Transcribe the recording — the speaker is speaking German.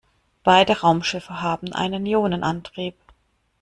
Beide Raumschiffe haben einen Ionenantrieb.